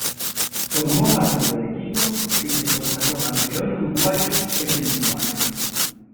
Formó parte del equipo que se consagró campeón uruguayo ese mismo año.